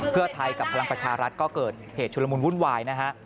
เพื่อไทยกับพลังประชารัฐก็เกิดเหตุชุลมุนวุ่นวายนะฮะ